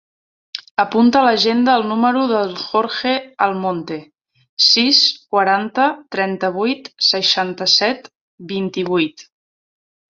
Apunta a l'agenda el número del Jorge Almonte: sis, quaranta, trenta-vuit, seixanta-set, vint-i-vuit.